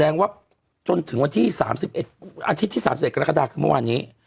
แสดงว่าจนถึงวันที่๓๑อาทิตย์ที่๓๗กรกฎาคือเมื่อวานนี้